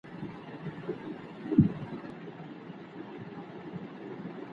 د بریا کلا یوازي د استعداد په مرسته نه سي فتح کېدلای.